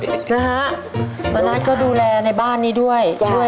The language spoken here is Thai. น้ารักษ์ก็ดูแลในบ้านนี้ด้วย